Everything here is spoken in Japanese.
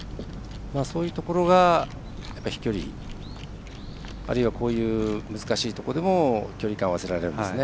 そういうところが飛距離あるいは、難しいところでも距離感を合わせられるんですね。